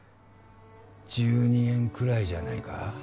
１２円くらいじゃないか？